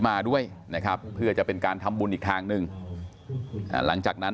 มาด้วยนะครับเพื่อจะเป็นการทำบุญอีกทางหนึ่งหลังจากนั้น